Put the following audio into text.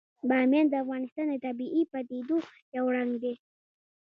بامیان د افغانستان د طبیعي پدیدو یو رنګ دی.